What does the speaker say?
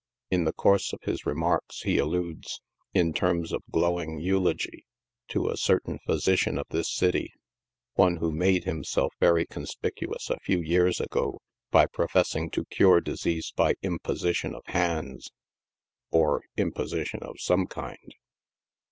In the course of his remarks he alludes, in terms of glowing eulogy, to a certain physician of this city, — one who made himself very conspicuous a few years ago by professing to cure disease by imposition of hands, or imposition of some kind.